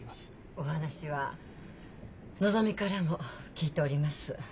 お話はのぞみからも聞いております。